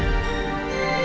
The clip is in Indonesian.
saya sudah menang